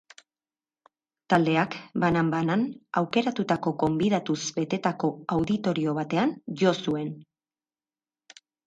Taldeak, banan-banan aukeratutako gonbidatuz betetako auditorio batean jo zuen.